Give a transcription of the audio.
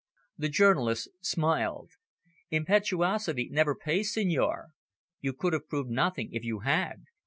The journalist smiled. "Impetuosity never pays, senor. You could have proved nothing if you had.